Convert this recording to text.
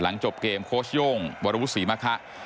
จบเกมโค้ชโย่งวรวุศรีมะคะ